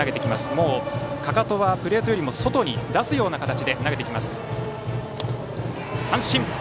もうかかとはプレートよりも外に出すような形で投げてます。